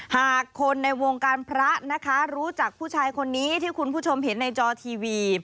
หากคนในวงการพระนะคะรู้จักผู้ชายคนนี้ที่คุณผู้ชมเห็นในจอทีวี